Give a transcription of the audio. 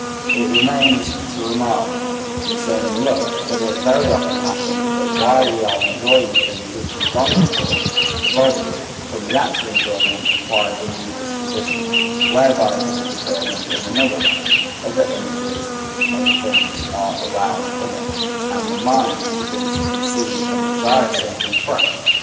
It remains to remark concerning love, that it very often happens that while we are enjoying a thing which we longed for, the body, from the act of enjoyment, acquires a new disposition, whereby it is determined in another way, other images of things are aroused in it, and the mind begins to conceive and desire something fresh.